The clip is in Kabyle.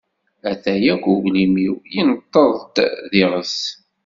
Ata akk uglim-iw, inteḍ-d d iɣes.